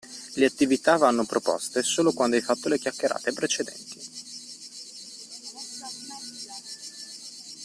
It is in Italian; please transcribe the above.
Le attività vanno proposte solo quando hai fatto le chiacchierate precedenti.